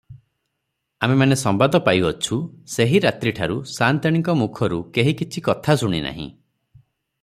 ଆମେମାନେ ସମ୍ବାଦ ପାଇଅଛୁ, ସେହି ରାତ୍ରିଠାରୁ ସାଆନ୍ତାଣୀଙ୍କ ମୁଖରୁ କେହି କିଛି କଥା ଶୁଣି ନାହିଁ ।